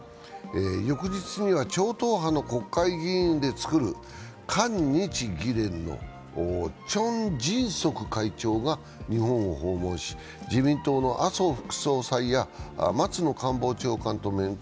翌日には超党派の国会議員で作る韓日議連のチョン・ジンソク会長が日本を訪問し自民党の麻生副総裁や松野官房長官と面会。